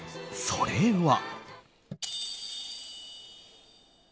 それは。